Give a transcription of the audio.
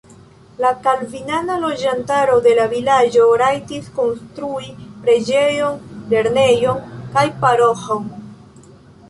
La kalvinana loĝantaro de la vilaĝo rajtis konstrui preĝejon, lernejon kaj paroĥon.